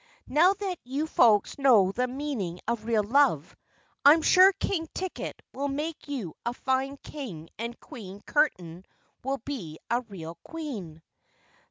Now that you folks know the meaning of real love, I'm sure King Ticket will make you a fine King and Queen Curtain will be a real Queen."